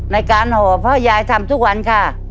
ในการหอพ่อยายทำทุกวันค่ะ